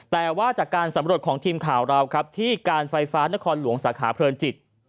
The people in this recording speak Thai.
แต่ว่าจากการสำรวจของทีมข่าวเราครับที่การไฟฟ้านครหลวงสาขาเพลินจิต